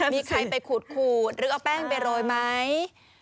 มีใครไปขูดหรือเอาแป้งไปโรยไหม